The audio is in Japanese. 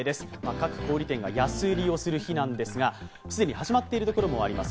各小売店が安売りをする日なんですが、既に始まっているところもあります。